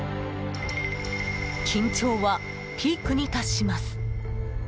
緊張はピークに達します。